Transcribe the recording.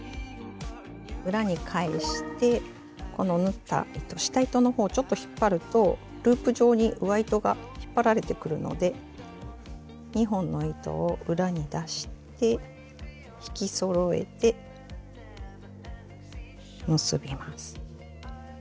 裏に返してこの縫った糸下糸の方をちょっと引っ張るとループ状に上糸が引っ張られてくるので２本の糸を裏に出して引きそろえて結びます。